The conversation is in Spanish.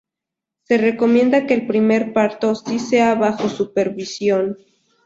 Se recomienda que el primer parto sí sea bajo supervisión.